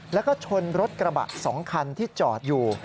แล้วก็ชนรถกระบะ๒คันที่จอดอยู่